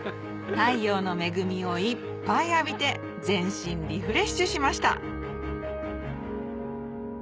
太陽の恵みをいっぱい浴びて全身リフレッシュしました！